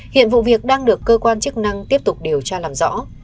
hiện vụ việc đang được cơ quan chức năng tiếp tục điều tra làm rõ